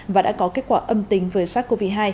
và đã có kết quả âm tính với sars cov hai